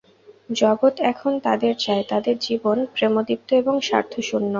জগৎ এখন তাঁদের চায়, যাঁদের জীবন প্রেমদীপ্ত এবং স্বার্থশূন্য।